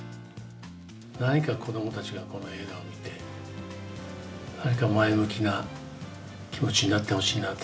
何か子どもたちがこの映画を見て、何か前向きな気持ちになってほしいなと。